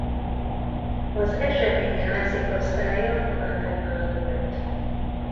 Az esemény házigazdája Guatemala volt.